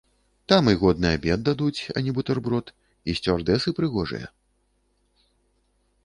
Там і годны абед дадуць, а не бутэрброд, і сцюардэсы прыгожыя.